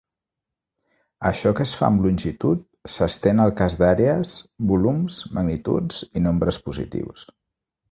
Això que es fa amb longituds, s'estén al cas d'àrees, volums, magnituds i nombres positius.